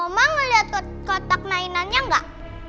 oma ngeliat kotak mainannya gak